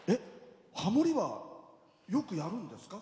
ハモリはよくやるんですか？